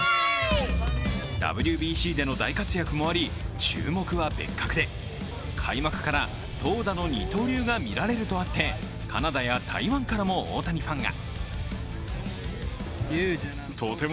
ＷＢＣでの大活躍もあり、注目は別格で開幕から投打の二刀流が見られるとあってカナダや台湾からも大谷ファンが。